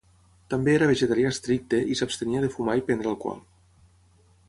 També era vegetarià estricte i s'abstenia de fumar i prendre alcohol.